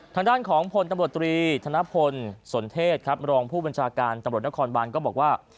ทางด้านของพลตำรวจตรีธนพลสนเทศครับรองผู้บัญชาการตำรวจนครบานก็บอกว่า